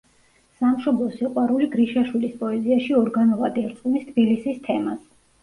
სამშობლოს სიყვარული გრიშაშვილის პოეზიაში ორგანულად ერწყმის თბილისის თემას.